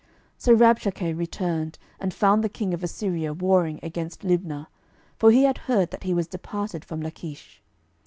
12:019:008 So Rabshakeh returned, and found the king of Assyria warring against Libnah: for he had heard that he was departed from Lachish.